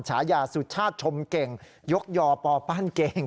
ฉายาสุชาติชมเก่งยกยอปอปั้นเก่ง